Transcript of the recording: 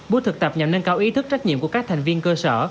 buổi thực tập nhằm nâng cao ý thức trách nhiệm của các thành viên cơ sở